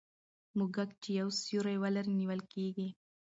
موږک چي یو سوری ولري نیول کېږي.